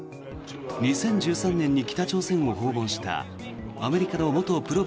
２０１３年に北朝鮮を訪問したアメリカの元プロ